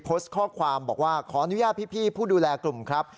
โพสต์ข้อความบอกว่าขออนุญาตพี่ผู้ดูแลกลุ่มครับ